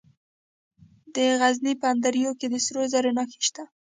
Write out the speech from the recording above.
د غزني په اندړ کې د سرو زرو نښې شته.